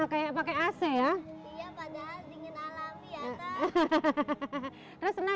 kayak pakai ac ya